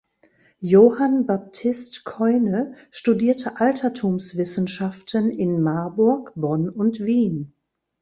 Johann Baptist Keune studierte Altertumswissenschaften in Marburg, Bonn und Wien.